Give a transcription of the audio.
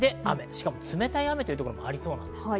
しかも冷たい雨というところがありそうです。